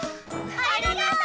ありがとう！